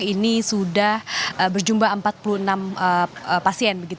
ini sudah berjumlah empat puluh enam pasien